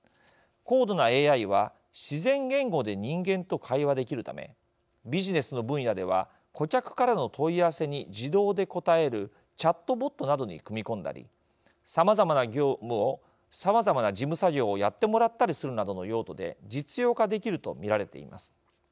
高度なＡＩは自然言語で人間と会話できるためビジネスの分野では顧客からの問い合わせに自動で答えるチャットボットなどに組み込んだりさまざまな事務作業をやってもらったりするなどの用途で実用化できると見られています。